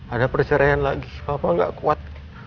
ada persyaraan lagi papa nggak kuat